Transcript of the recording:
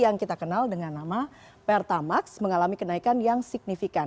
yang kita kenal dengan nama pertamax mengalami kenaikan yang signifikan